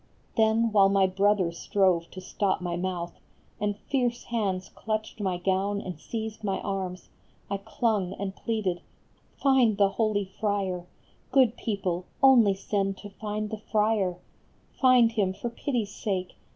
103 Then, while my brother strove to stop my mouth, And fierce hands clutched my gown and seized my arms, I clung and pleaded :" Find the holy Friar, Good people, only send to find the Friar, Find him, for pity s sake